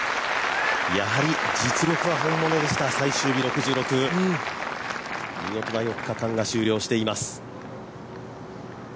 やはり実力は本物でした最終日は６６見事な４日間が終了しています。